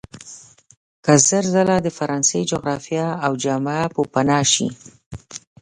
که زر ځله د فرانسې جغرافیه او جامعه پوپناه شي.